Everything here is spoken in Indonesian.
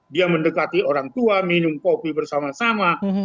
dia mendekati orang tua minum kopi bersama sama